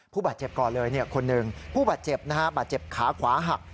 ผู้บาดเจ็บก่อนเลยคนนึงผู้บาดเจ็บขาขวาหัก